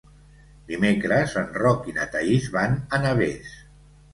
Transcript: Dimecres en Roc i na Thaís van a Navès.